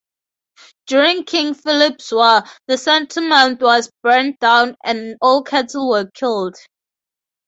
During King Philip's War the settlement was burned down and all cattle killed.